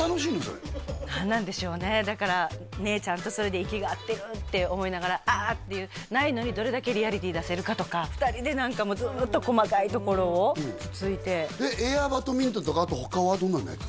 それ何なんでしょうねだから姉ちゃんとそれで息が合ってるって思いながら「ああ！」っていうないのにどれだけリアリティー出せるかとか２人で何かずっと細かいところをつついてエアバドミントンとかあと他はどんなのやってたの？